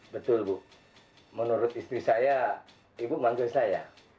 betul bu menurut istri saya ibu manggil saya